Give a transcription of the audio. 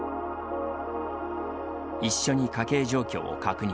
一緒に家計状況を確認。